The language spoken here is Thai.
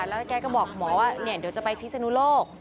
แล้วแกก็บอกหมอว่าเดี๋ยวจะไปพิศนุโลก